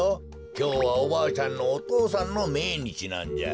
きょうはおばあちゃんのお父さんのめいにちなんじゃ。